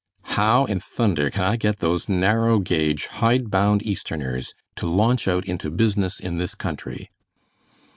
"How in thunder can I get those narrow gauge, hidebound Easterners to launch out into business in this country?"